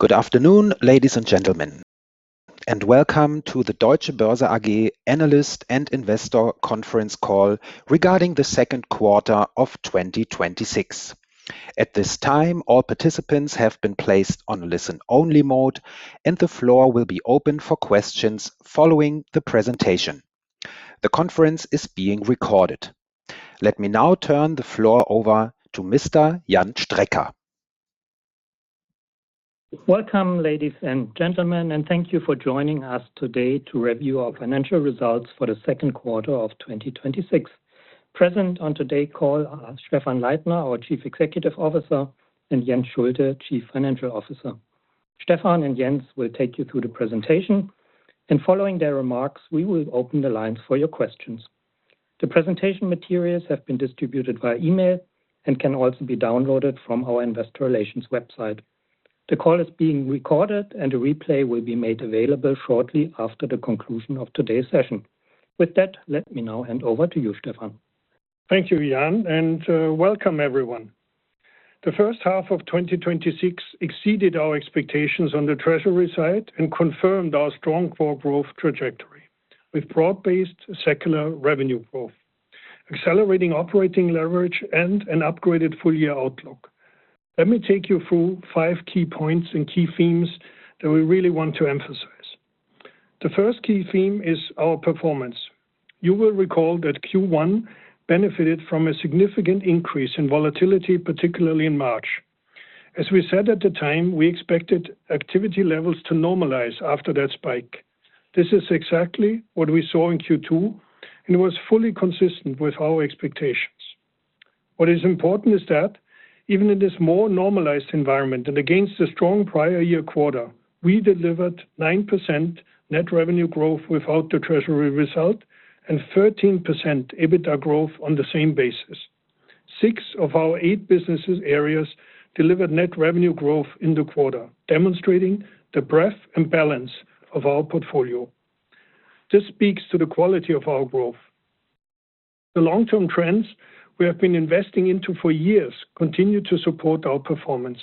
Good afternoon, ladies and gentlemen, welcome to the Deutsche Börse AG analyst and investor conference call regarding the second quarter of 2026. At this time, all participants have been placed on listen-only mode, and the floor will be open for questions following the presentation. The conference is being recorded. Let me now turn the floor over to Mr. Jan Strecker. Welcome, ladies and gentlemen, thank you for joining us today to review our financial results for the second quarter of 2026. Present on today call are Stephan Leithner, our Chief Executive Officer, and Jens Schulte, Chief Financial Officer. Stephan and Jens will take you through the presentation. Following their remarks, we will open the lines for your questions. The presentation materials have been distributed via email and can also be downloaded from our investor relations website. The call is being recorded. A replay will be made available shortly after the conclusion of today's session. Let me now hand over to you, Stephan. Thank you, Jan, welcome everyone. The first half of 2026 exceeded our expectations on the treasury side, confirmed our strong core growth trajectory with broad-based secular revenue growth, accelerating operating leverage, and an upgraded full-year outlook. Let me take you through five key points, key themes that we really want to emphasize. The first key theme is our performance. You will recall that Q1 benefited from a significant increase in volatility, particularly in March. As we said at the time, we expected activity levels to normalize after that spike. This is exactly what we saw in Q2. It was fully consistent with our expectations. What is important is that even in this more normalized environment, against a strong prior year quarter, we delivered 9% net revenue growth without the treasury result and 13% EBITDA growth on the same basis. Six of our eight businesses areas delivered net revenue growth in the quarter, demonstrating the breadth and balance of our portfolio. This speaks to the quality of our growth. The long-term trends we have been investing into for years continue to support our performance.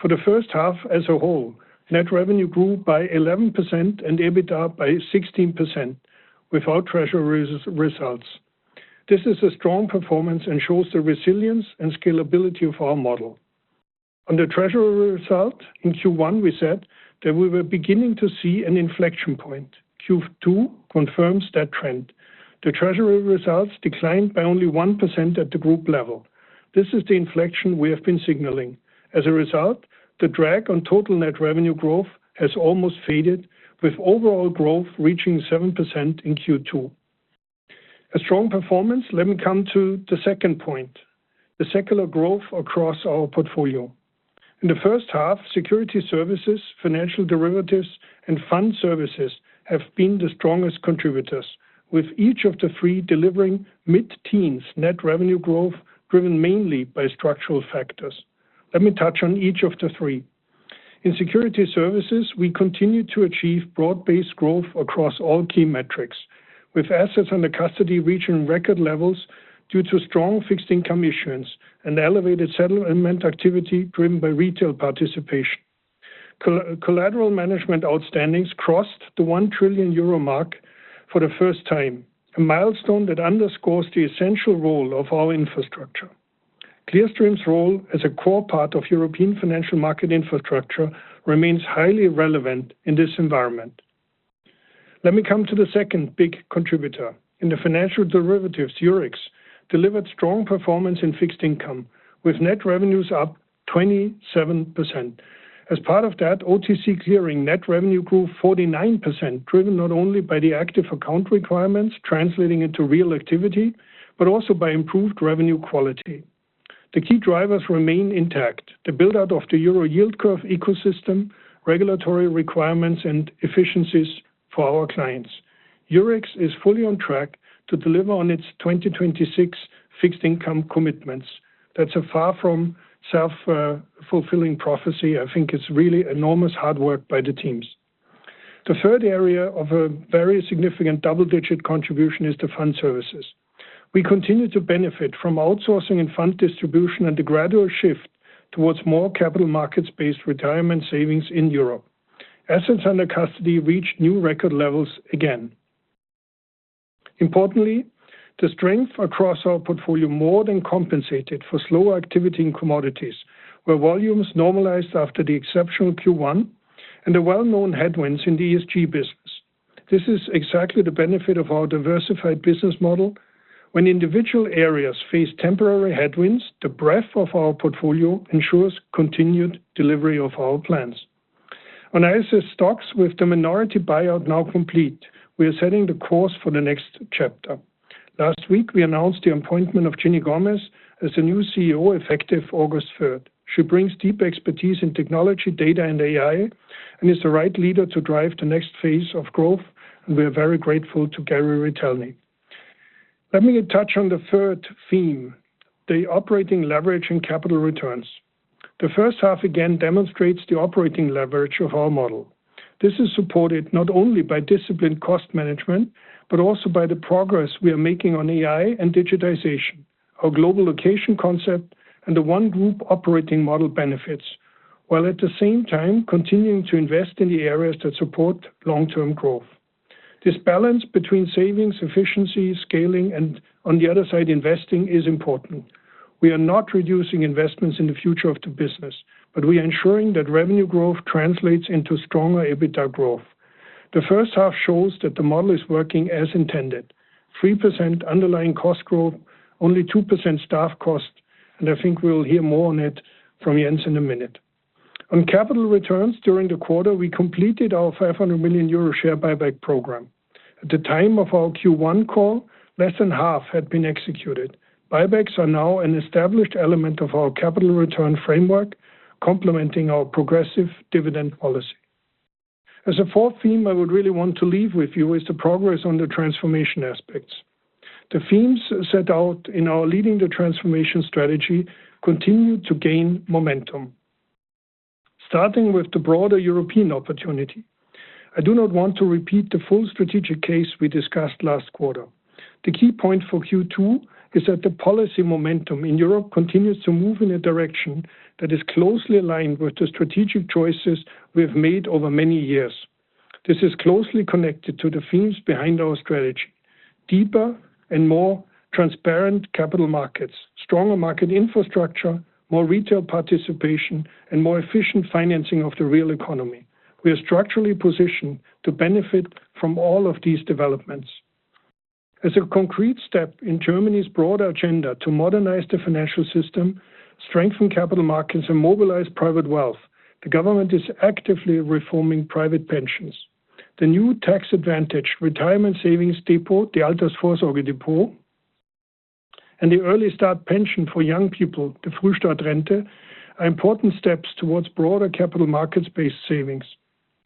For the first half as a whole, net revenue grew by 11%. EBITDA by 16% without treasury results. This is a strong performance, shows the resilience and scalability of our model. On the treasury result in Q1, we said that we were beginning to see an inflection point. Q2 confirms that trend. The treasury results declined by only 1% at the group level. This is the inflection we have been signaling. As a result, the drag on total net revenue growth has almost faded, with overall growth reaching 7% in Q2. A strong performance. Let me come to the second point, the secular growth across our portfolio. In the first half, security services, financial derivatives, and fund services have been the strongest contributors, with each of the three delivering mid-teens net revenue growth driven mainly by structural factors. Let me touch on each of the three. In security services, we continue to achieve broad-based growth across all key metrics, with assets under custody reaching record levels due to strong fixed-income issuance and elevated settlement activity driven by retail participation. Collateral management outstandings crossed the 1 trillion euro mark for the first time, a milestone that underscores the essential role of our infrastructure. Clearstream's role as a core part of European financial market infrastructure remains highly relevant in this environment. Let me come to the second big contributor. In the financial derivatives, Eurex delivered strong performance in fixed income, with net revenues up 27%. Part of that, OTC clearing net revenue grew 49%, driven not only by the active account requirements translating into real activity, but also by improved revenue quality. The key drivers remain intact. The build-out of the Euro yield curve ecosystem, regulatory requirements, and efficiencies for our clients. Eurex is fully on track to deliver on its 2026 fixed-income commitments. That's far from a self-fulfilling prophecy. I think it's really enormous hard work by the teams. The third area of a very significant double-digit contribution is the fund services. We continue to benefit from outsourcing and fund distribution and the gradual shift towards more capital markets-based retirement savings in Europe. Assets under custody reached new record levels again. Importantly, the strength across our portfolio more than compensated for slower activity in commodities, where volumes normalized after the exceptional Q1 and the well-known headwinds in the ESG business. This is exactly the benefit of our diversified business model. When individual areas face temporary headwinds, the breadth of our portfolio ensures continued delivery of our plans. On ISS STOXX, with the minority buyout now complete, we are setting the course for the next chapter. Last week, we announced the appointment of Ginny Gomez as the new CEO effective August 3rd. She brings deep expertise in technology, data, and AI and is the right leader to drive the next phase of growth. We are very grateful to Gary Retelny. Let me touch on the third theme, the operating leverage and capital returns. The first half again demonstrates the operating leverage of our model. This is supported not only by disciplined cost management, but also by the progress we are making on AI and digitization. Our global location concept and the one group operating model benefits, while at the same time continuing to invest in the areas that support long-term growth. This balance between savings, efficiency, scaling, and on the other side, investing, is important. We are not reducing investments in the future of the business, but we are ensuring that revenue growth translates into stronger EBITDA growth. The first half shows that the model is working as intended. 3% underlying cost growth, only 2% staff cost. I think we'll hear more on it from Jens in a minute. On capital returns during the quarter, we completed our 500 million euro share buyback program. At the time of our Q1 call, less than half had been executed. Buybacks are now an established element of our capital return framework, complementing our progressive dividend policy. As a fourth theme I would really want to leave with you is the progress on the transformation aspects. The themes set out in our Leading the Transformation strategy continue to gain momentum. Starting with the broader European opportunity. I do not want to repeat the full strategic case we discussed last quarter. The key point for Q2 is that the policy momentum in Europe continues to move in a direction that is closely aligned with the strategic choices we have made over many years. This is closely connected to the themes behind our strategy. Deeper and more transparent capital markets, stronger market infrastructure, more retail participation, and more efficient financing of the real economy. We are structurally positioned to benefit from all of these developments. As a concrete step in Germany's broader agenda to modernize the financial system, strengthen capital markets, and mobilize private wealth, the government is actively reforming private pensions. The new tax-advantaged retirement savings depot, the Altersvorsorgedepot, and the early start pension for young people, the Frühstartrente, are important steps towards broader capital markets-based savings.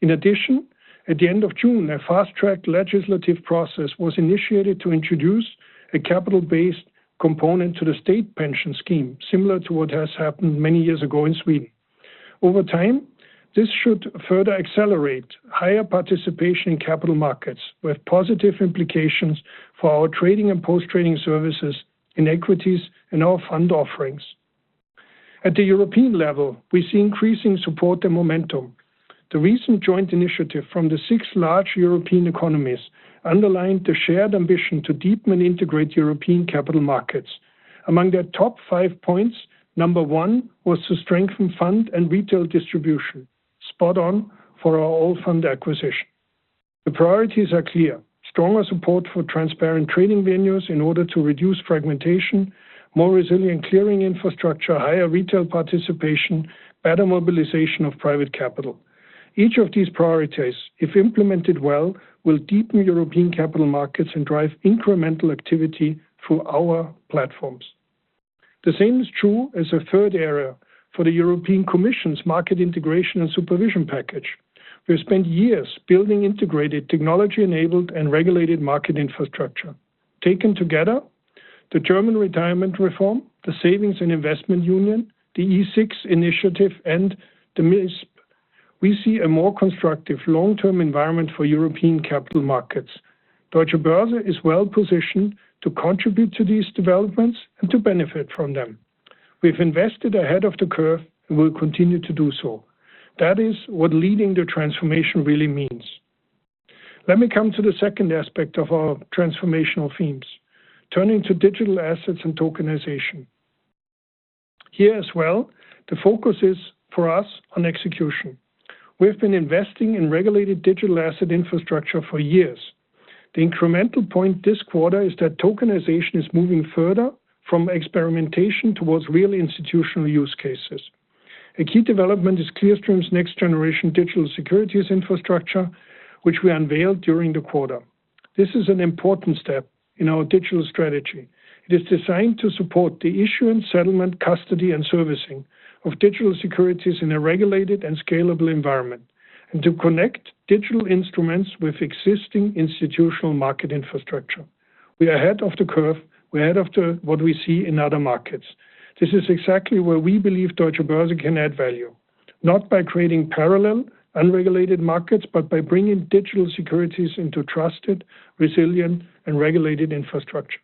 In addition, at the end of June, a fast-tracked legislative process was initiated to introduce a capital-based component to the state pension scheme, similar to what has happened many years ago in Sweden. Over time, this should further accelerate higher participation in capital markets with positive implications for our trading and post-trading services in equities and our fund offerings. At the European level, we see increasing support and momentum. The recent joint initiative from the six large European economies underlined the shared ambition to deepen and integrate European capital markets. Among their top five points, number one was to strengthen fund and retail distribution. Spot on for our Allfunds acquisition. The priorities are clear. Stronger support for transparent trading venues in order to reduce fragmentation, more resilient clearing infrastructure, higher retail participation, better mobilization of private capital. Each of these priorities, if implemented well, will deepen European capital markets and drive incremental activity through our platforms. The same is true as a third area for the European Commission's market integration and supervision package. We have spent years building integrated technology-enabled and regulated market infrastructure. Taken together, the German retirement reform, the Savings and Investment Union, the E6 initiative, and the MISP, we see a more constructive long-term environment for European capital markets. Deutsche Börse is well-positioned to contribute to these developments and to benefit from them. We've invested ahead of the curve and will continue to do so. That is what Leading the Transformation really means. Let me come to the second aspect of our transformational themes. Turning to digital assets and tokenization. Here as well, the focus is, for us, on execution. We've been investing in regulated digital asset infrastructure for years. The incremental point this quarter is that tokenization is moving further from experimentation towards real institutional use cases. A key development is Clearstream's next-generation digital securities infrastructure, which we unveiled during the quarter. This is an important step in our digital strategy. It is designed to support the issuance, settlement, custody, and servicing of digital securities in a regulated and scalable environment, and to connect digital instruments with existing institutional market infrastructure. We are ahead of the curve. We're ahead of what we see in other markets. This is exactly where we believe Deutsche Börse can add value. Not by creating parallel, unregulated markets, but by bringing digital securities into trusted, resilient, and regulated infrastructure.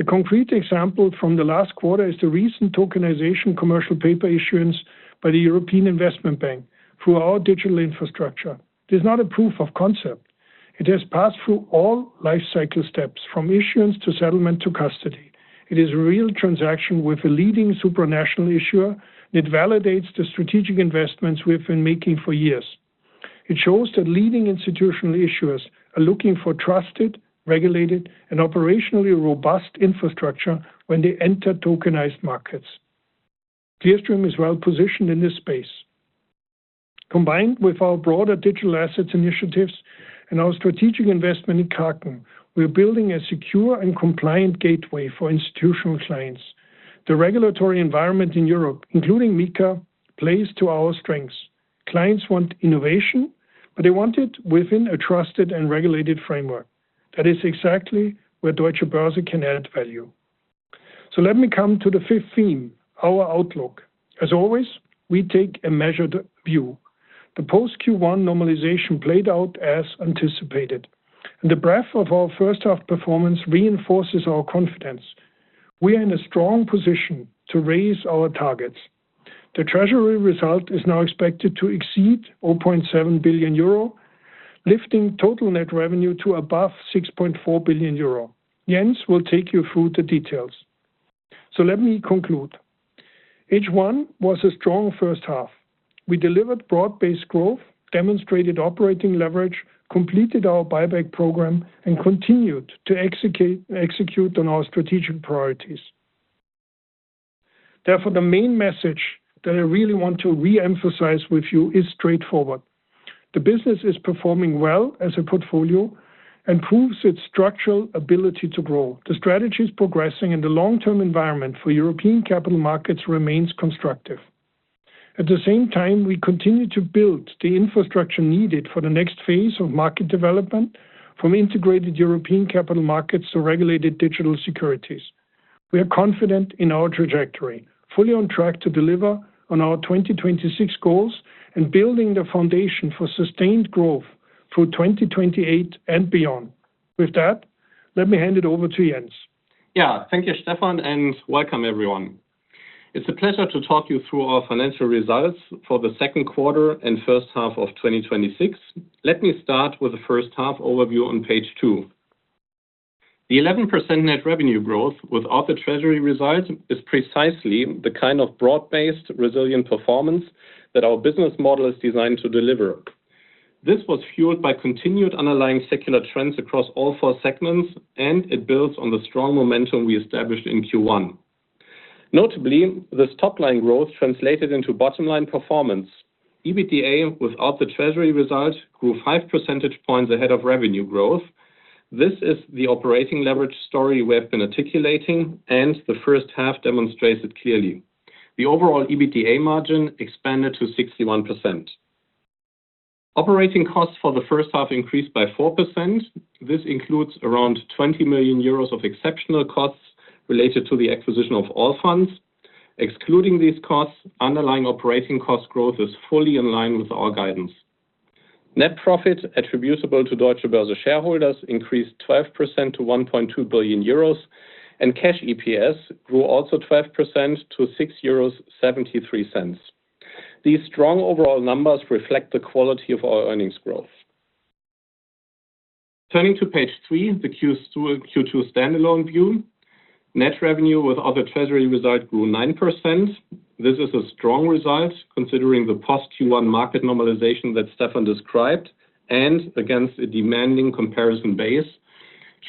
A concrete example from the last quarter is the recent tokenization commercial paper issuance by the European Investment Bank through our digital infrastructure. It is not a proof of concept. It has passed through all life cycle steps, from issuance to settlement to custody. It is a real transaction with a leading supranational issuer. It validates the strategic investments we've been making for years. It shows that leading institutional issuers are looking for trusted, regulated, and operationally robust infrastructure when they enter tokenized markets. Clearstream is well positioned in this space. Combined with our broader digital assets initiatives and our strategic investment in Kraken, we are building a secure and compliant gateway for institutional clients. The regulatory environment in Europe, including MiCA, plays to our strengths. Clients want innovation, but they want it within a trusted and regulated framework. That is exactly where Deutsche Börse can add value. Let me come to the fifth theme, our outlook. As always, we take a measured view. The post Q1 normalization played out as anticipated, and the breadth of our first half performance reinforces our confidence. We are in a strong position to raise our targets. The treasury result is now expected to exceed 0.7 billion euro, lifting total net revenue to above 6.4 billion euro. Jens will take you through the details. Let me conclude. H1 was a strong first half. We delivered broad-based growth, demonstrated operating leverage, completed our buyback program, and continued to execute on our strategic priorities. Therefore, the main message that I really want to re-emphasize with you is straightforward. The business is performing well as a portfolio and proves its structural ability to grow. The strategy is progressing and the long-term environment for European capital markets remains constructive. At the same time, we continue to build the infrastructure needed for the next phase of market development from integrated European capital markets to regulated digital securities. We are confident in our trajectory, fully on track to deliver on our 2026 goals and building the foundation for sustained growth through 2028 and beyond. With that, let me hand it over to Jens. Thank you, Stephan, and welcome everyone. It's a pleasure to talk you through our financial results for the second quarter and first half of 2026. Let me start with the first half overview on page two. The 11% net revenue growth without the treasury result is precisely the kind of broad-based resilient performance that our business model is designed to deliver. This was fueled by continued underlying secular trends across all four segments, and it builds on the strong momentum we established in Q1. Notably, this top-line growth translated into bottom-line performance. EBITDA without the treasury result grew five percentage points ahead of revenue growth. This is the operating leverage story we have been articulating, and the first half demonstrates it clearly. The overall EBITDA margin expanded to 61%. Operating costs for the first half increased by 4%. This includes around 20 million euros of exceptional costs related to the acquisition of Allfunds. Excluding these costs, underlying operating cost growth is fully in line with our guidance. Net profit attributable to Deutsche Börse shareholders increased 12% to 1.2 billion euros, and Cash EPS grew also 12% to 6.73 euros. These strong overall numbers reflect the quality of our earnings growth. Turning to page three, the Q2 standalone view. Net revenue with other treasury results grew 9%. This is a strong result considering the post Q1 market normalization that Stephan described and against a demanding comparison base.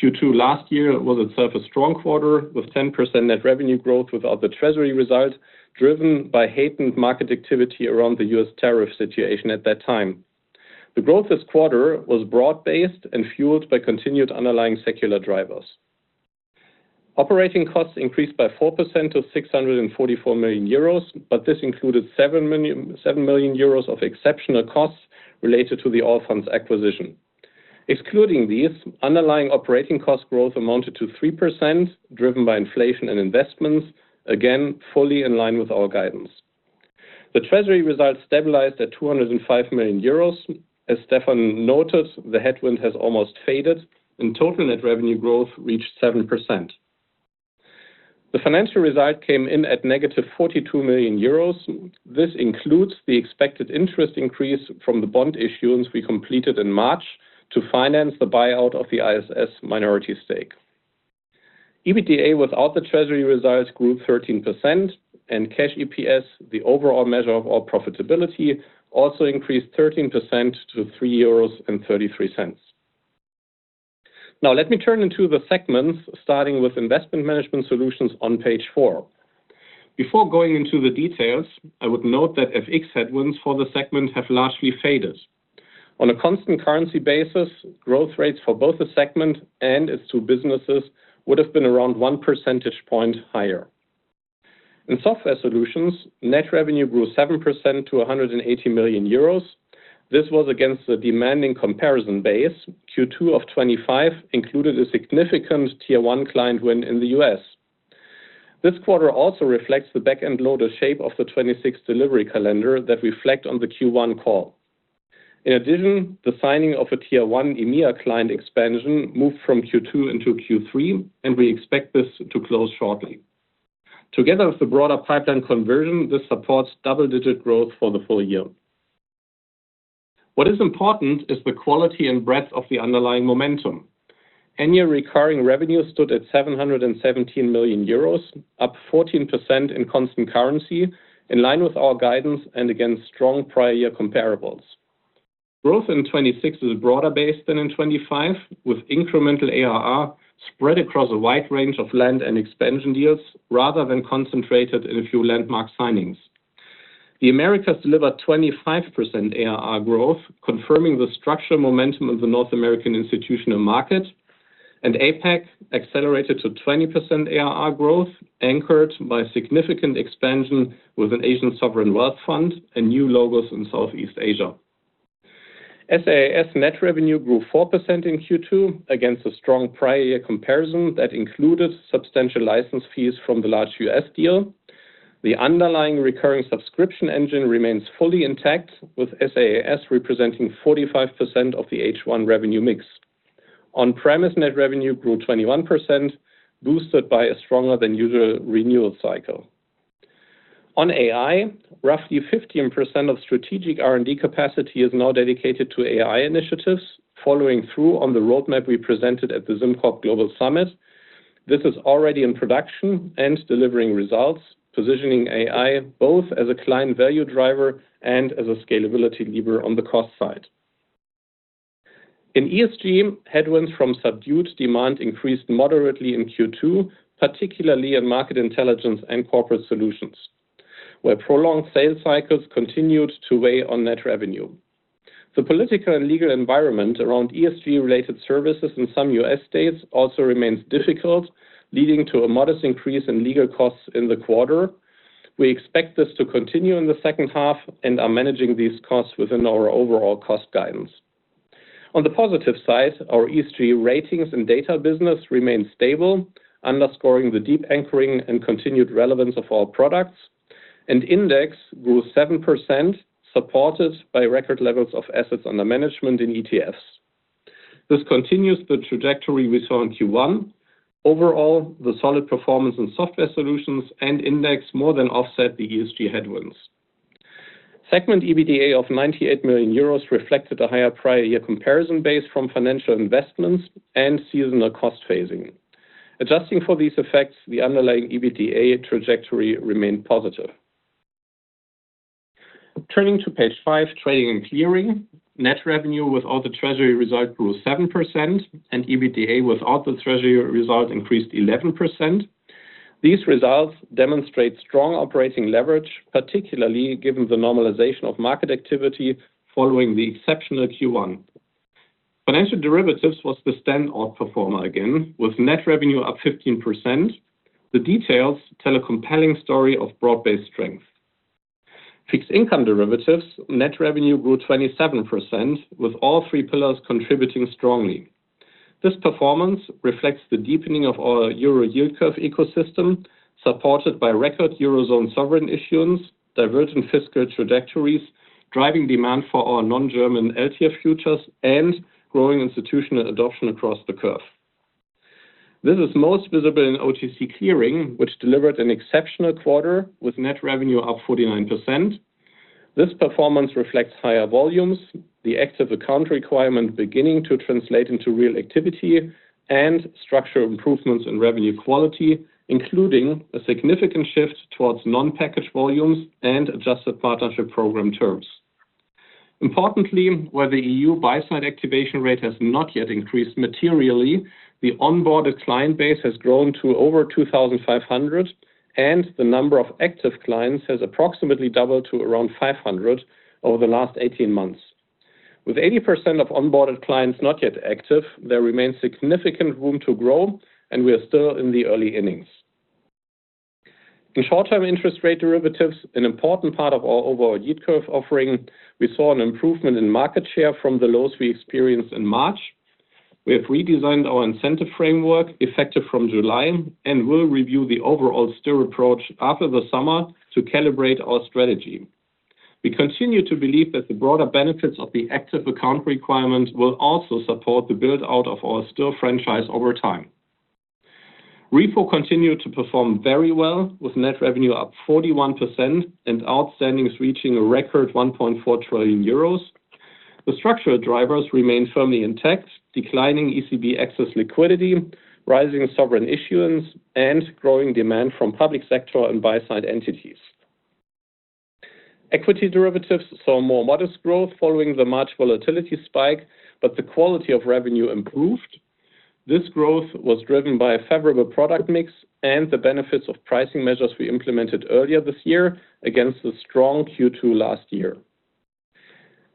Q2 last year was itself a strong quarter with 10% net revenue growth without the treasury result, driven by heightened market activity around the U.S. tariff situation at that time. The growth this quarter was broad-based and fueled by continued underlying secular drivers. Operating costs increased by 4% to 644 million euros. This included 7 million euros of exceptional costs related to the Allfunds acquisition. Excluding these, underlying operating cost growth amounted to 3%, driven by inflation and investments, again, fully in line with our guidance. The treasury results stabilized at 205 million euros. As Stephan noted, the headwind has almost faded and total net revenue growth reached 7%. The financial result came in at -42 million euros. This includes the expected interest increase from the bond issuance we completed in March to finance the buyout of the ISS minority stake. EBITDA without the treasury results grew 13% and Cash EPS, the overall measure of our profitability, also increased 13% to 3.33 euros. Now let me turn into the segments, starting with investment management solutions on page four. Before going into the details, I would note that FX headwinds for the segment have largely faded. On a constant currency basis, growth rates for both the segment and its two businesses would have been around 1 percentage point higher. In software solutions, net revenue grew 7% to 180 million euros. This was against the demanding comparison base. Q2 of 2025 included a significant Tier 1 client win in the U.S. This quarter also reflects the back-end load of shape of the 2026 delivery calendar that reflect on the Q1 call. In addition, the signing of a Tier 1 EMEA client expansion moved from Q2 into Q3, and we expect this to close shortly. Together with the broader pipeline conversion, this supports double-digit growth for the full year. What is important is the quality and breadth of the underlying momentum. Annual recurring revenue stood at 717 million euros, up 14% in constant currency, in line with our guidance and against strong prior year comparables. Growth in 2026 is broader based than in 2025, with incremental ARR spread across a wide range of land and expansion deals rather than concentrated in a few landmark signings. The Americas delivered 25% ARR growth, confirming the structural momentum of the North American institutional market, and APAC accelerated to 20% ARR growth, anchored by significant expansion with an Asian sovereign wealth fund and new logos in Southeast Asia. SaaS net revenue grew 4% in Q2 against a strong prior year comparison that included substantial license fees from the large U.S. deal. The underlying recurring subscription engine remains fully intact, with SaaS representing 45% of the H1 revenue mix. On-premise net revenue grew 21%, boosted by a stronger than usual renewal cycle. On AI, roughly 15% of strategic R&D capacity is now dedicated to AI initiatives, following through on the roadmap we presented at the SimCorp Global Summit. This is already in production and delivering results, positioning AI both as a client value driver and as a scalability lever on the cost side. In ESG, headwinds from subdued demand increased moderately in Q2, particularly in market intelligence and corporate solutions, where prolonged sales cycles continued to weigh on net revenue. The political and legal environment around ESG-related services in some U.S. states also remains difficult, leading to a modest increase in legal costs in the quarter. We expect this to continue in the second half and are managing these costs within our overall cost guidance. On the positive side, our ESG ratings and data business remain stable, underscoring the deep anchoring and continued relevance of our products, and Index grew 7%, supported by record levels of assets under management in ETFs. This continues the trajectory we saw in Q1. Overall, the solid performance in software solutions and Index more than offset the ESG headwinds. Segment EBITDA of 98 million euros reflected a higher prior year comparison base from financial investments and seasonal cost phasing. Adjusting for these effects, the underlying EBITDA trajectory remained positive. Turning to page five, trading and clearing. Net revenue without the treasury result grew 7%, and EBITDA without the treasury result increased 11%. These results demonstrate strong operating leverage, particularly given the normalization of market activity following the exceptional Q1. Financial derivatives was the standout performer again, with net revenue up 15%. The details tell a compelling story of broad-based strength. Fixed income derivatives net revenue grew 27%, with all three pillars contributing strongly. This performance reflects the deepening of our Euro yield curve ecosystem, supported by record Eurozone sovereign issuance, divergent fiscal trajectories, driving demand for our non-German LCF futures, and growing institutional adoption across the curve. This is most visible in OTC clearing, which delivered an exceptional quarter, with net revenue up 49%. This performance reflects higher volumes, the active account requirement beginning to translate into real activity, and structural improvements in revenue quality, including a significant shift towards non-package volumes and adjusted partnership program terms. Importantly, where the EU buy-side activation rate has not yet increased materially, the onboarded client base has grown to over 2,500, and the number of active clients has approximately doubled to around 500 over the last 18 months. With 80% of onboarded clients not yet active, there remains significant room to grow, and we are still in the early innings. In short-term interest rate derivatives, an important part of our overall yield curve offering, we saw an improvement in market share from the lows we experienced in March. We have redesigned our incentive framework effective from July and will review the overall STIR approach after the summer to calibrate our strategy. We continue to believe that the broader benefits of the active account requirement will also support the build-out of our STIR franchise over time. Repo continued to perform very well, with net revenue up 41% and outstandings reaching a record 1.4 trillion euros. The structural drivers remain firmly intact, declining ECB excess liquidity, rising sovereign issuance, and growing demand from public sector and buy-side entities. Equity derivatives saw more modest growth following the March volatility spike, but the quality of revenue improved. This growth was driven by a favorable product mix and the benefits of pricing measures we implemented earlier this year against the strong Q2 last year.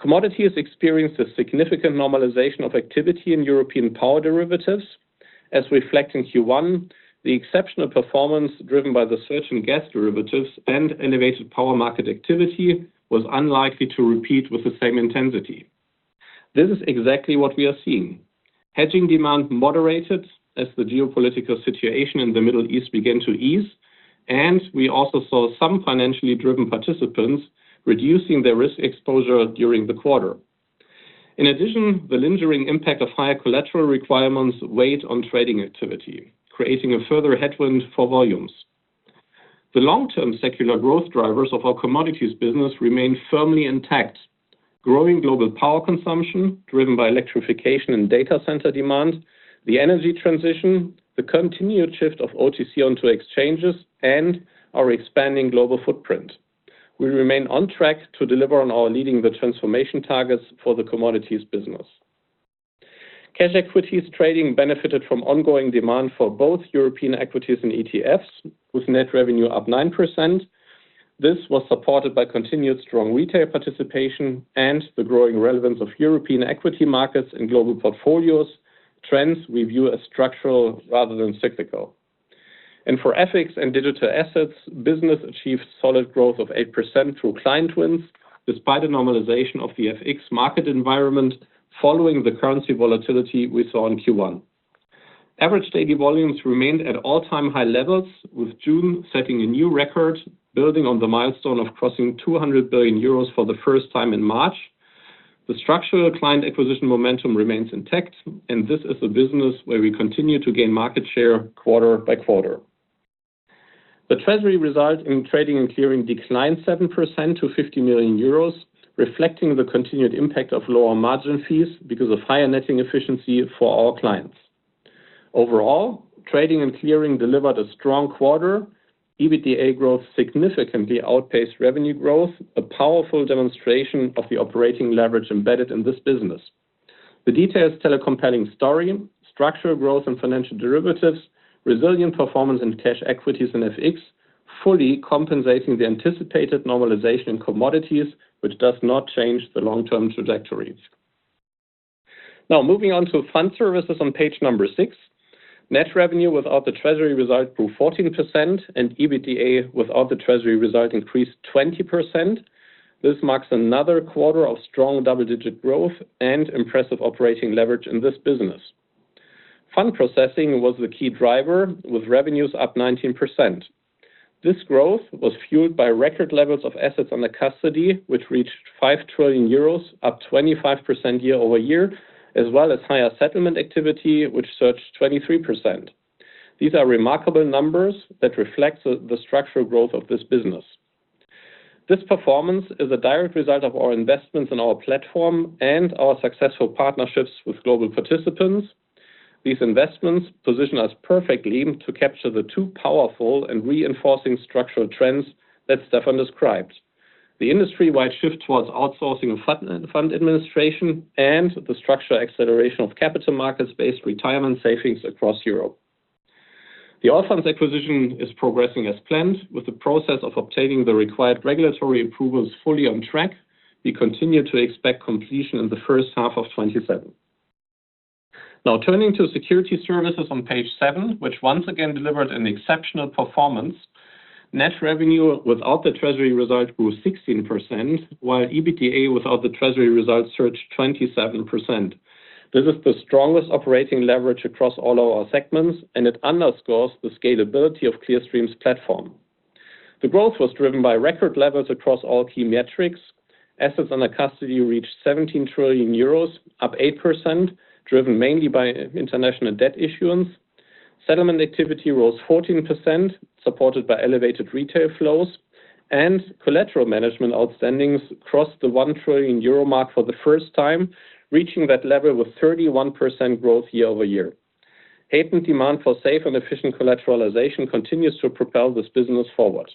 Commodities experienced a significant normalization of activity in European power derivatives. As reflected in Q1, the exceptional performance driven by the surge in gas derivatives and innovative power market activity was unlikely to repeat with the same intensity. This is exactly what we are seeing. Hedging demand moderated as the geopolitical situation in the Middle East began to ease, and we also saw some financially-driven participants reducing their risk exposure during the quarter. In addition, the lingering impact of higher collateral requirements weighed on trading activity, creating a further headwind for volumes. The long-term secular growth drivers of our commodities business remain firmly intact, growing global power consumption driven by electrification and data center demand, the energy transition, the continued shift of OTC onto exchanges, and our expanding global footprint. We remain on track to deliver on our Leading the Transformation targets for the commodities business. Cash equities trading benefited from ongoing demand for both European equities and ETFs, with net revenue up 9%. This was supported by continued strong retail participation and the growing relevance of European equity markets in global portfolios, trends we view as structural rather than cyclical. For FX and digital assets, business achieved solid growth of 8% through client wins, despite a normalization of the FX market environment following the currency volatility we saw in Q1. Average daily volumes remained at all-time high levels, with June setting a new record, building on the milestone of crossing 200 billion euros for the first time in March. The structural client acquisition momentum remains intact, and this is a business where we continue to gain market share quarter by quarter. The treasury result in trading and clearing declined 7% to 50 million euros, reflecting the continued impact of lower margin fees because of higher netting efficiency for our clients. Overall, trading and clearing delivered a strong quarter. EBITDA growth significantly outpaced revenue growth, a powerful demonstration of the operating leverage embedded in this business. The details tell a compelling story. Structural growth in financial derivatives, resilient performance in cash equities and FX, fully compensating the anticipated normalization in commodities, which does not change the long-term trajectories. Now, moving on to fund services on page number six. Net revenue without the treasury result grew 14%, and EBITDA without the treasury result increased 20%. This marks another quarter of strong double-digit growth and impressive operating leverage in this business. Fund processing was the key driver, with revenues up 19%. This growth was fueled by record levels of assets under custody, which reached 5 trillion euros, up 25% year-over-year, as well as higher settlement activity, which surged 23%. These are remarkable numbers that reflect the structural growth of this business. This performance is a direct result of our investments in our platform and our successful partnerships with global participants. These investments position us perfectly to capture the two powerful and reinforcing structural trends that Stephan described. The industry-wide shift towards outsourcing of fund administration and the structural acceleration of capital markets-based retirement savings across Europe. The Allfunds acquisition is progressing as planned, with the process of obtaining the required regulatory approvals fully on track. We continue to expect completion in the first half of 2027. Turning to security services on page seven, which once again delivered an exceptional performance. Net revenue without the treasury result grew 16%, while EBITDA without the treasury result surged 27%. This is the strongest operating leverage across all our segments, and it underscores the scalability of Clearstream's platform. The growth was driven by record levels across all key metrics. Assets under custody reached 17 trillion euros, up 8%, driven mainly by international debt issuance. Settlement activity rose 14%, supported by elevated retail flows, and collateral management outstandings crossed the 1 trillion euro mark for the first time, reaching that level with 31% growth year-over-year. Heightened demand for safe and efficient collateralization continues to propel this business forward.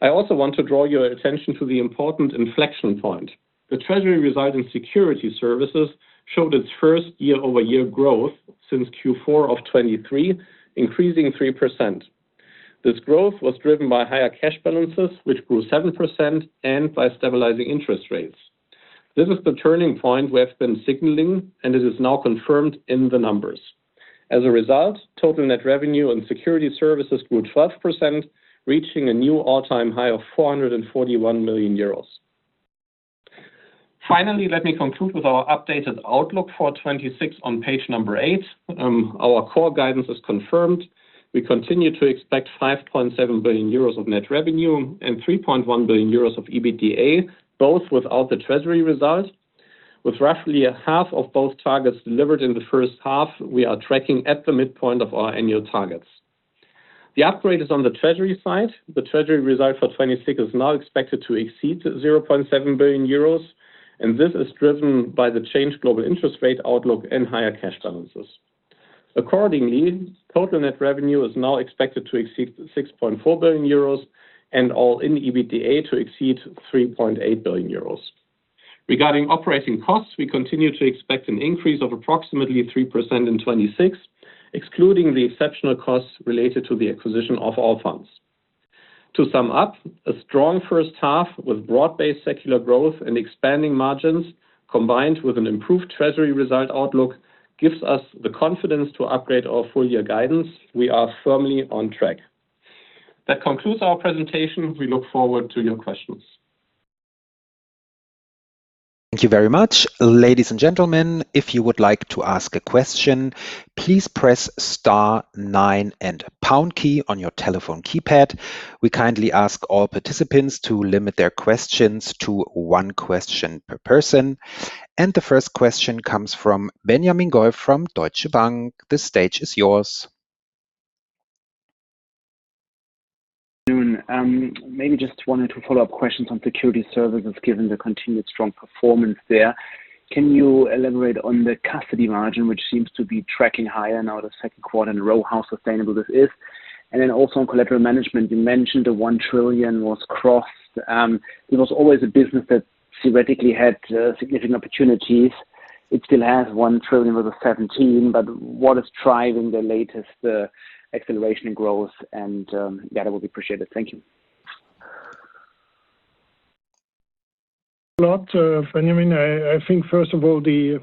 I also want to draw your attention to the important inflection point. The treasury result in security services showed its first year-over-year growth since Q4 of 2023, increasing 3%. This growth was driven by higher cash balances, which grew 7%, and by stabilizing interest rates. This is the turning point we have been signaling, and it is now confirmed in the numbers. As a result, total net revenue and security services grew 12%, reaching a new all-time high of 441 million euros. Finally, let me conclude with our updated outlook for 2026 on page number eight. Our core guidance is confirmed. We continue to expect 5.7 billion euros of net revenue and 3.1 billion euros of EBITDA, both without the treasury result. With roughly a half of both targets delivered in the first half, we are tracking at the midpoint of our annual targets- The upgrade is on the treasury side. The treasury result for 2026 is now expected to exceed 0.7 billion euros, and this is driven by the changed global interest rate outlook and higher cash balances. Accordingly, total net revenue is now expected to exceed 6.4 billion euros and all-in EBITDA to exceed 3.8 billion euros. Regarding operating costs, we continue to expect an increase of approximately 3% in 2026, excluding the exceptional costs related to the acquisition of Allfunds. To sum up, a strong first half with broad-based secular growth and expanding margins, combined with an improved treasury result outlook, gives us the confidence to upgrade our full-year guidance. We are firmly on track. That concludes our presentation. We look forward to your questions. Thank you very much. Ladies and gentlemen, if you would like to ask a question, please press star nine and pound key on your telephone keypad. We kindly ask all participants to limit their questions to one question per person. The first question comes from Benjamin Goy from Deutsche Bank. The stage is yours. Maybe just wanted to follow up questions on security services, given the continued strong performance there. Can you elaborate on the custody margin, which seems to be tracking higher now the second quarter in a row, how sustainable this is? Also on collateral management, you mentioned the 1 trillion was crossed. It was always a business that theoretically had significant opportunities. It still has 1 trillion out of 17, what is driving the latest acceleration growth and data would be appreciated. Thank you. lot, Benjamin. First of all, the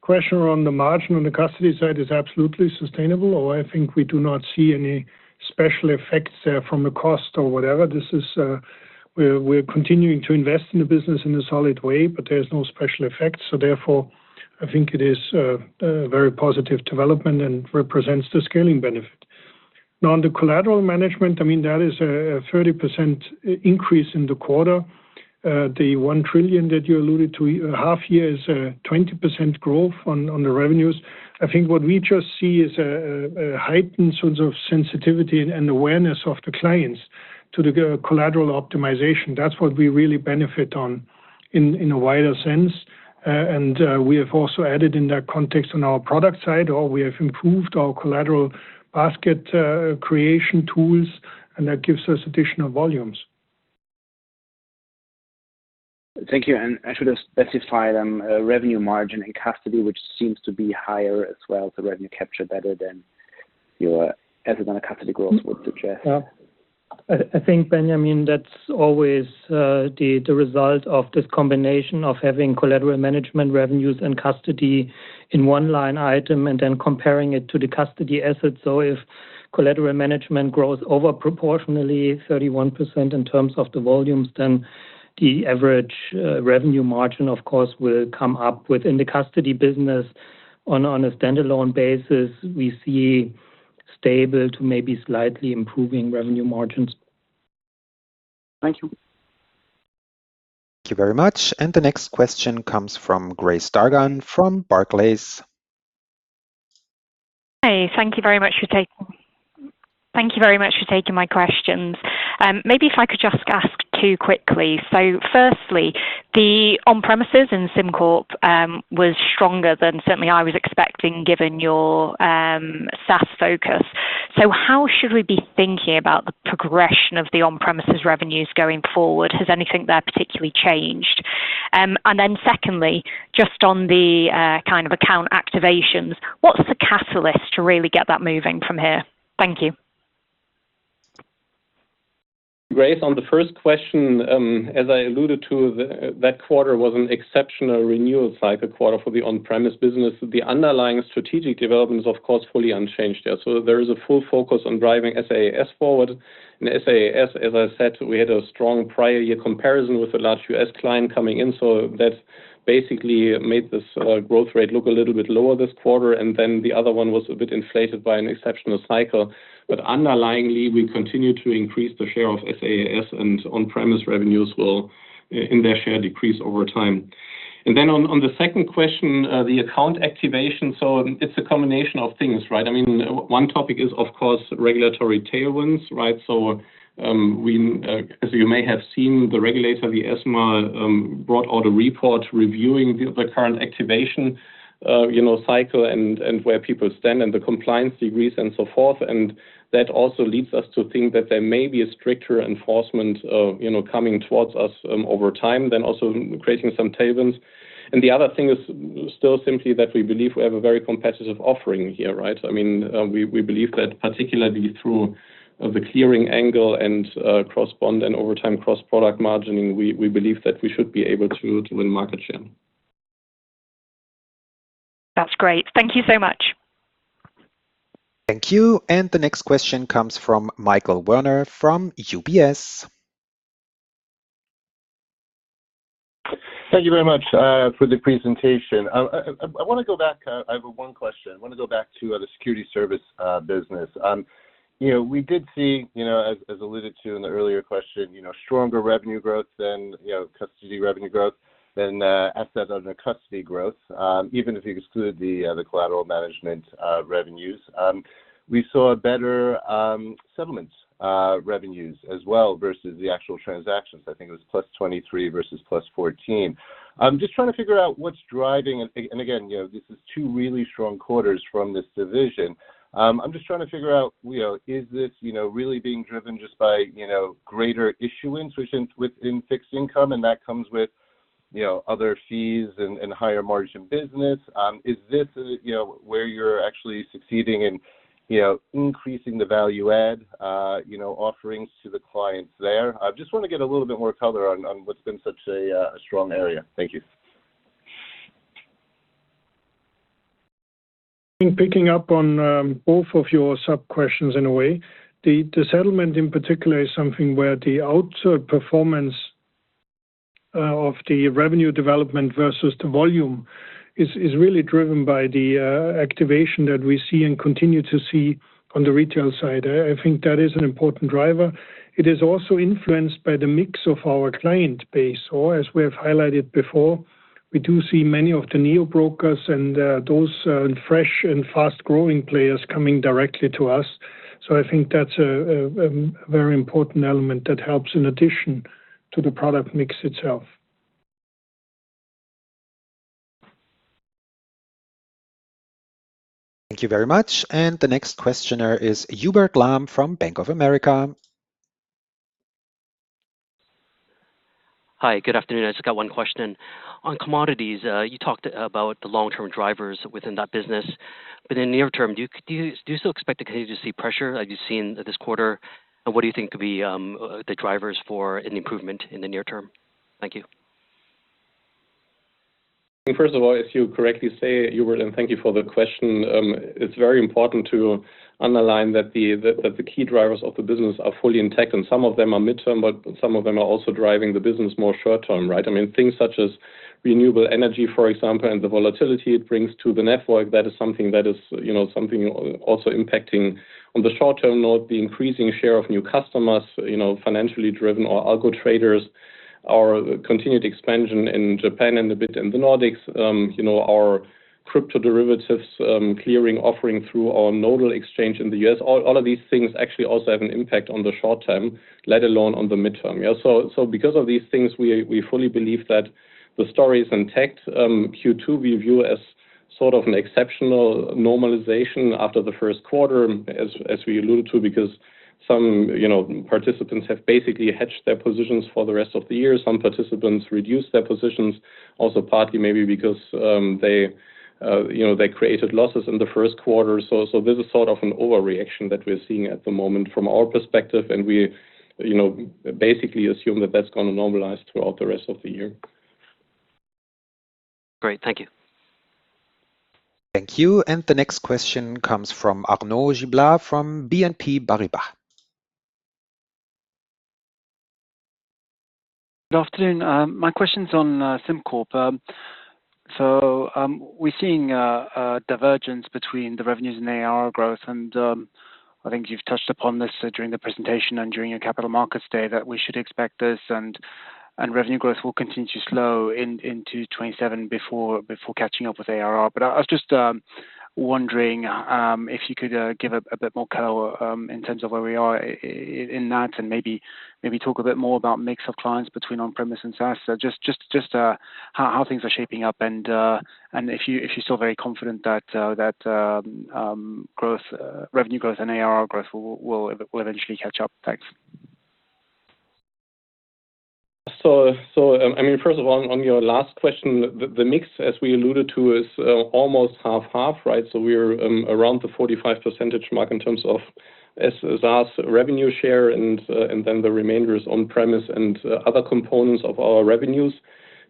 question around the margin on the custody side is absolutely sustainable, we do not see any special effects there from a cost or whatever. We're continuing to invest in the business in a solid way, but there's no special effects. Therefore, I think it is a very positive development and represents the scaling benefit. On the collateral management, that is a 30% increase in the quarter. The 1 trillion that you alluded to, half year is a 20% growth on the revenues. I think what we just see is a heightened sensitivity and awareness of the clients to the collateral optimization. That's what we really benefit on in a wider sense. We have also added in that context on our product side, we have improved our collateral basket creation tools, that gives us additional volumes. Thank you. I should have specified on revenue margin and custody, which seems to be higher as well, revenue capture better than your asset under custody growth would suggest. I think, Benjamin, that's always the result of this combination of having collateral management revenues and custody in one line item and then comparing it to the custody assets. If collateral management grows over proportionally 31% in terms of the volumes, then the average revenue margin, of course, will come up within the custody business. On a standalone basis, we see stable to maybe slightly improving revenue margins. Thank you. Thank you very much. The next question comes from Grace Dargan from Barclays. Hi. Thank you very much for taking my questions. Maybe if I could just ask two quickly. Firstly, the on-premises in SimCorp was stronger than certainly I was expecting, given your SaaS focus. How should we be thinking about the progression of the on-premises revenues going forward? Has anything there particularly changed? Secondly, just on the kind of account activations, what's the catalyst to really get that moving from here? Thank you. Grace, on the first question, as I alluded to, that quarter was an exceptional renewal cycle quarter for the on-premise business. The underlying strategic development is, of course, fully unchanged there. There is a full focus on driving SaaS forward. SaaS, as I said, we had a strong prior year comparison with a large U.S. client coming in, that basically made this growth rate look a little bit lower this quarter, and the other one was a bit inflated by an exceptional cycle. Underlyingly, we continue to increase the share of SaaS, and on-premise revenues will, in their share, decrease over time. On the second question, the account activation. It's a combination of things, right? One topic is, of course, regulatory tailwinds, right? As you may have seen, the regulator, the ESMA, brought out a report reviewing the current activation cycle and where people stand and the compliance degrees and so forth. That also leads us to think that there may be a stricter enforcement coming towards us over time, then also creating some tailwinds. The other thing is still simply that we believe we have a very competitive offering here, right? We believe that particularly through the clearing angle and correspondent over time cross-product margining, we believe that we should be able to win market share. That's great. Thank you so much. Thank you. The next question comes from Michael Werner from UBS. Thank you very much for the presentation. I have one question. I want to go back to the security service business. We did see, as alluded to in the earlier question, stronger revenue growth than custody revenue growth than asset under custody growth, even if you exclude the collateral management revenues. We saw better settlements revenues as well versus the actual transactions. I think it was +23% versus +14%. I'm just trying to figure out what's driving. Again, this is two really strong quarters from this division. I'm just trying to figure out, is this really being driven just by greater issuance within fixed income and that comes with other fees and higher margin business? Is this where you're actually succeeding in increasing the value-add offerings to the clients there? I just want to get a little bit more color on what's been such a strong area. Thank you. I think picking up on both of your sub-questions in a way, the settlement in particular is something where the outsized performance of the revenue development versus the volume is really driven by the activation that we see and continue to see on the retail side. I think that is an important driver. It is also influenced by the mix of our client base, or as we have highlighted before, we do see many of the neo brokers and those fresh and fast-growing players coming directly to us. I think that's a very important element that helps in addition to the product mix itself. Thank you very much. The next questioner is Hubert Lam from Bank of America. Hi, good afternoon. I just got one question. On commodities, you talked about the long-term drivers within that business. In the near term, do you still expect to continue to see pressure like you've seen this quarter? What do you think could be the drivers for an improvement in the near term? Thank you. First of all, as you correctly say, Hubert, thank you for the question. It's very important to underline that the key drivers of the business are fully intact. Some of them are mid-term, some of them are also driving the business more short term, right? Things such as renewable energy, for example, the volatility it brings to the network. That is something that is also impacting on the short-term note, the increasing share of new customers, financially driven or algo traders, our continued expansion in Japan and a bit in the Nordics. Our crypto derivatives clearing offering through our Nodal Exchange in the U.S. All of these things actually also have an impact on the short term, let alone on the mid-term. Because of these things, we fully believe that the story is intact. Q2, we view as sort of an exceptional normalization after the first quarter, as we alluded to, because some participants have basically hedged their positions for the rest of the year. Some participants reduced their positions also partly maybe because they created losses in the first quarter. This is sort of an overreaction that we're seeing at the moment from our perspective. We basically assume that that's going to normalize throughout the rest of the year. Great. Thank you. Thank you. The next question comes from Arnaud Giblat, from BNP Paribas. Good afternoon. My question's on SimCorp. We're seeing a divergence between the revenues and ARR growth, and I think you've touched upon this during the presentation and during your Capital Markets Day, that we should expect this, and revenue growth will continue to slow into 2027 before catching up with ARR. I was just wondering if you could give a bit more color in terms of where we are in that and maybe talk a bit more about mix of clients between on-premise and SaaS. Just how things are shaping up and if you're still very confident that revenue growth and ARR growth will eventually catch up. Thanks. First of all, on your last question, the mix, as we alluded to, is almost half/half, right? We're around the 45% mark in terms of SaaS revenue share, and then the remainder is on-premise and other components of our revenues.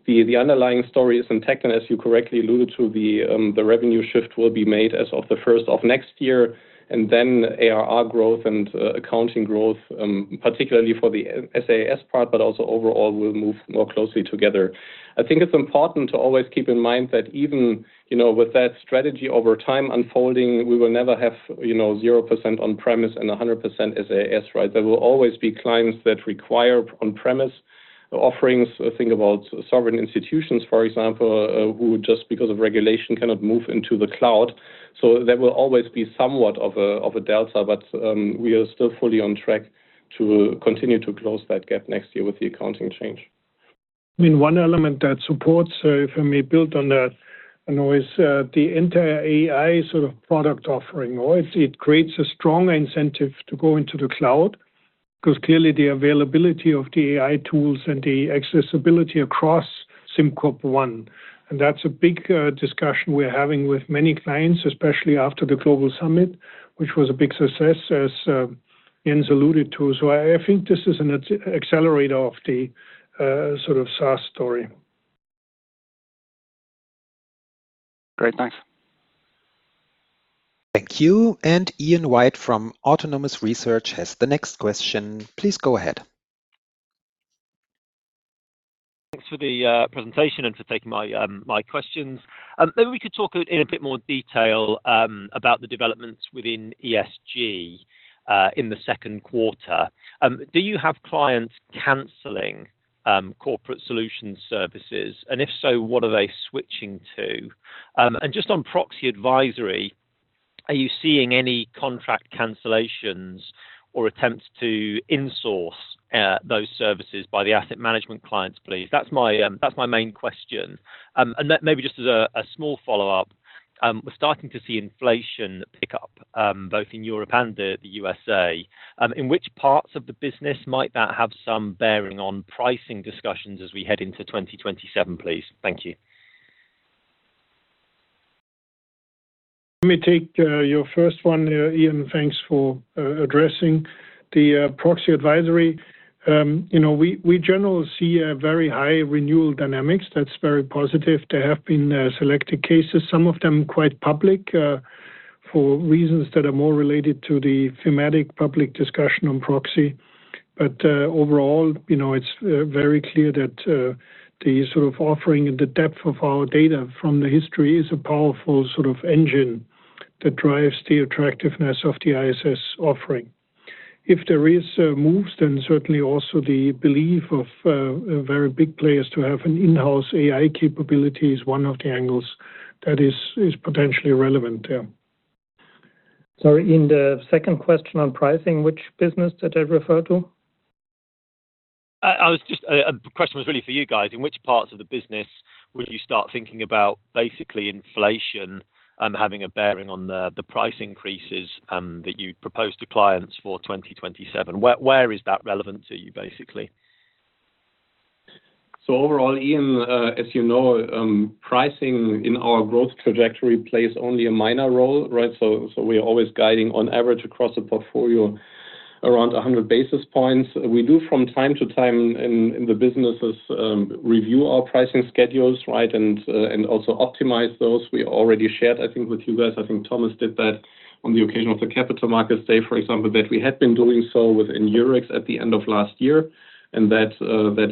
The underlying story is intact, and as you correctly alluded to, the revenue shift will be made as of the first of next year, and then ARR growth and accounting growth, particularly for the SaaS part, but also overall, will move more closely together. I think it's important to always keep in mind that even with that strategy over time unfolding, we will never have 0% on premise and 100% SaaS, right? There will always be clients that require on-premise offerings. Think about sovereign institutions, for example, who just because of regulation, cannot move into the cloud. There will always be somewhat of a delta, but we are still fully on track to continue to close that gap next year with the accounting change. One element that supports, if I may build on that, Arnaud, is the entire AI sort of product offering. It creates a strong incentive to go into the cloud, because clearly the availability of the AI tools and the accessibility across SimCorp One, and that's a big discussion we're having with many clients, especially after the Global Summit, which was a big success, as Jens alluded to. I think this is an accelerator of the sort of SaaS story. Great. Thanks. Thank you. Ian White from Autonomous Research has the next question. Please go ahead. Thanks for the presentation and for taking my questions. Maybe we could talk in a bit more detail about the developments within ESG in the second quarter. Do you have clients canceling corporate solution services? If so, what are they switching to? Just on proxy advisory, are you seeing any contract cancellations or attempts to insource those services by the asset management clients, please? That's my main question. Maybe just as a small follow-up, we're starting to see inflation pick up both in Europe and the USA. In which parts of the business might that have some bearing on pricing discussions as we head into 2027, please? Thank you. Let me take your first one, Ian. Thanks for addressing the proxy advisory. We generally see a very high renewal dynamics that is very positive. There have been selected cases, some of them quite public, for reasons that are more related to the thematic public discussion on proxy. Overall, it is very clear that the sort of offering and the depth of our data from the history is a powerful sort of engine that drives the attractiveness of the ISS offering. If there is moves, then certainly also the belief of very big players to have an in-house AI capability is one of the angles that is potentially relevant. Yeah. Sorry, Ian, the second question on pricing, which business did it refer to? The question was really for you guys. In which parts of the business would you start thinking about basically inflation having a bearing on the price increases that you propose to clients for 2027? Where is that relevant to you, basically? Overall, Ian, as you know, pricing in our growth trajectory plays only a minor role, right? We are always guiding on average across the portfolio around 100 basis points. We do from time to time in the businesses, review our pricing schedules, right? Also optimize those. We already shared, I think with you guys, I think Thomas did that on the occasion of the Capital Markets Day, for example, that we had been doing so within Eurex at the end of last year, and that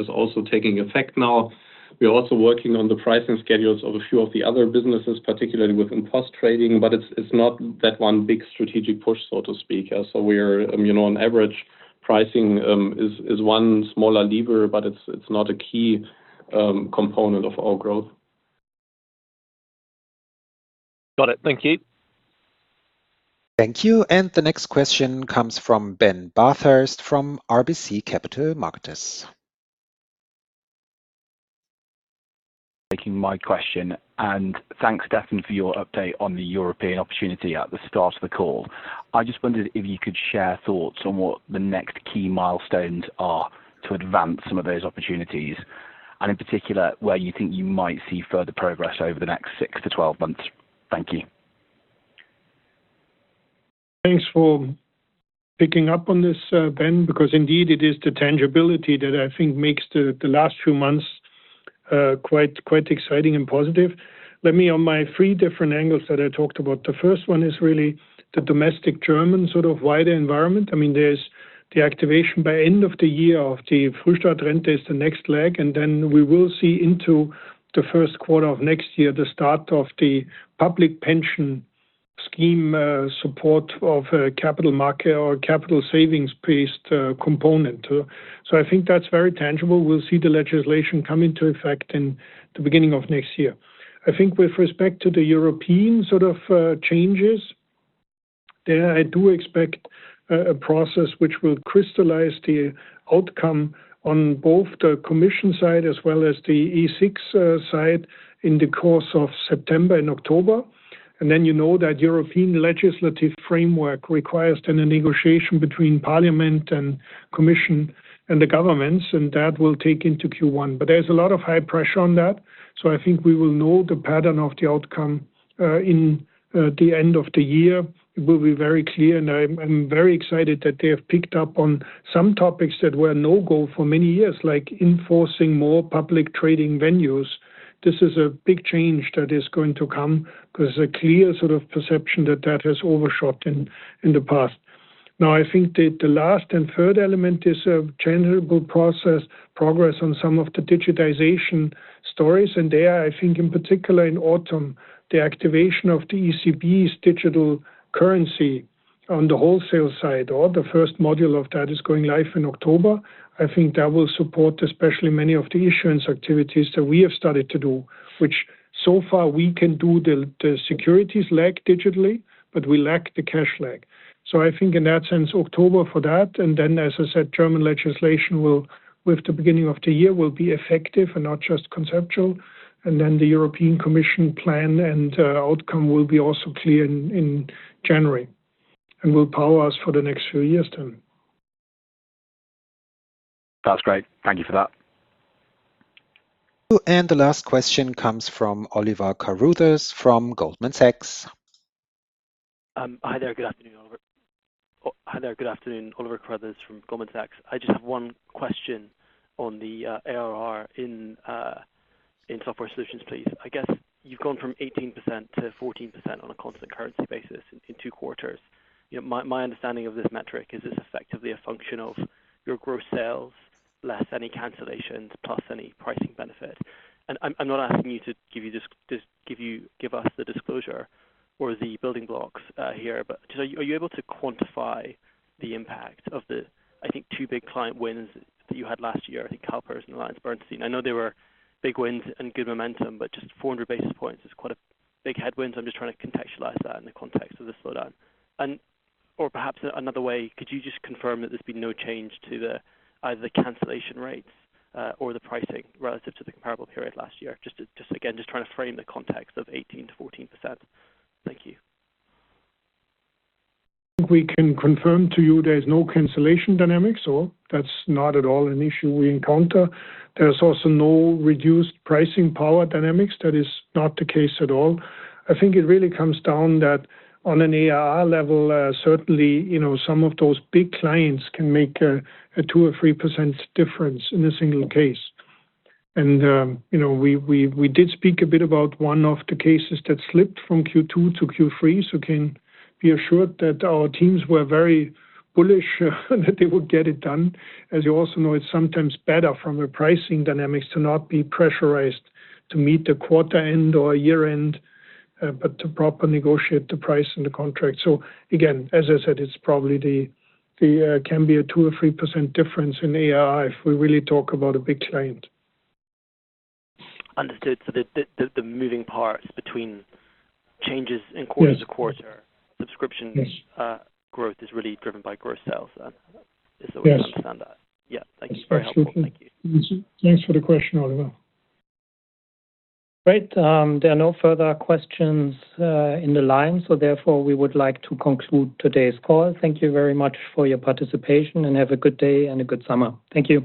is also taking effect now. We are also working on the pricing schedules of a few of the other businesses, particularly within post-trading, but it is not that one big strategic push, so to speak. On average pricing is one smaller lever, but it is not a key component of our growth. Got it. Thank you. Thank you. The next question comes from Ben Bathurst from RBC Capital Markets. Taking my question. Thanks, Stephan, for your update on the European opportunity at the start of the call. I just wondered if you could share thoughts on what the next key milestones are to advance some of those opportunities, and in particular, where you think you might see further progress over the next 6 to 12 months. Thank you. Thanks for picking up on this, Ben, because indeed it is the tangibility that I think makes the last few months quite exciting and positive. Let me on my three different angles that I talked about. The first one is really the domestic German sort of wider environment. There's the activation by end of the year of the Frühstartrente is the next leg. We will see into the first quarter of next year, the start of the public pension scheme support of a capital market or capital savings-based component. I think that's very tangible. We'll see the legislation come into effect in the beginning of next year. I think with respect to the European sort of changes, there I do expect a process which will crystallize the outcome on both the commission side as well as the E6 side in the course of September and October. You know that European legislative framework requires a negotiation between Parliament and Commission and the governments, and that will take into Q1. There's a lot of high pressure on that, so I think we will know the pattern of the outcome in the end of the year. It will be very clear and I'm very excited that they have picked up on some topics that were no-go for many years, like enforcing more public trading venues. This is a big change that is going to come because a clear sort of perception that that has overshot in the past. I think that the last and third element is a general progress on some of the digitization stories. There, I think in particular in autumn, the activation of the ECB's digital currency on the wholesale side or the first module of that is going live in October. I think that will support especially many of the issuance activities that we have started to do, which so far we can do the securities leg digitally, but we lack the cash leg. I think in that sense, October for that, and as I said, German legislation with the beginning of the year will be effective and not just conceptual. The European Commission plan and outcome will be also clear in January and will power us for the next few years. That's great. Thank you for that. The last question comes from Oliver Carruthers from Goldman Sachs. Hi there. Good afternoon, Oliver Carruthers from Goldman Sachs. I just have one question on the ARR in software solutions, please. I guess you've gone from 18% to 14% on a constant currency basis in two quarters. My understanding of this metric is it's effectively a function of your gross sales less any cancellations plus any pricing benefit. I'm not asking you to give us the disclosure or the building blocks here, but just are you able to quantify the impact of the, I think, two big client wins that you had last year? I think CalPERS and AllianceBernstein. I know they were big wins and good momentum, but just 400 basis points is quite a big headwind, so I'm just trying to contextualize that in the context of the slowdown. Perhaps another way, could you just confirm that there's been no change to either the cancellation rates or the pricing relative to the comparable period last year? Just again, just trying to frame the context of 18% to 14%. Thank you. We can confirm to you there is no cancellation dynamics. That's not at all an issue we encounter. There's also no reduced pricing power dynamics. That is not the case at all. I think it really comes down that on an ARR level, certainly some of those big clients can make a 2% or 3% difference in a single case. We did speak a bit about one of the cases that slipped from Q2 to Q3, so can be assured that our teams were very bullish that they would get it done. As you also know, it's sometimes better from a pricing dynamics to not be pressurized to meet the quarter end or year-end, but to proper negotiate the price and the contract. Again, as I said, it can be a 2% or 3% difference in ARR if we really talk about a big client. Understood. The moving parts between changes in quarter to quarter subscriptions growth is really driven by growth sales then. Yes. Is the way to understand that. Yeah. Thank you. Very helpful. Thank you. Thanks for the question, Oliver. Great. There are no further questions in the line, so therefore we would like to conclude today's call. Thank you very much for your participation and have a good day and a good summer. Thank you.